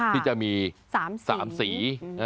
ที่จะมี๓สี